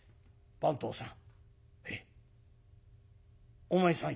番頭さん